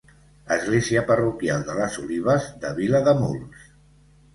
Església parroquial de Les Olives, de Vilademuls.